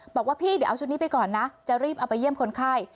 บอกว่าพี่เดี๋ยวเอาชุดนี้ไปก่อนนะจะรีบเอาไปเยี่ยมคนไข้